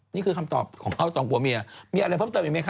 นี่คือคำตอบของเขาสองผัวเมียมีอะไรเพิ่มเติมอีกไหมค